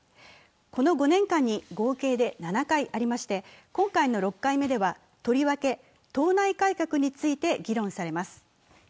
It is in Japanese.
この５年間に合計で７回ありまして、今回の６回目では、とりわけ党内改革について議論されます。